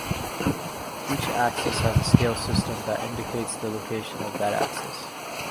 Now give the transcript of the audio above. Each axis has a scale system that indicates the location of that axis.